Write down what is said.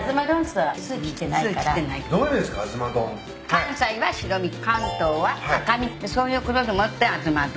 ・関西は白身関東は赤身そういうことでもってあずま丼。